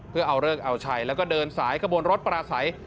เพื่อเอาเลิกเอาชัยแล้วก็เดินสายกระบวนรถปราศัย